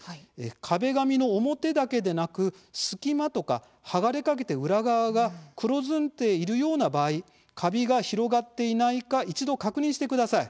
壁紙の表だけでなく隙間とか剥がれかけて裏側が黒ずんでいるような場合カビが広がっていないか一度、確認してください。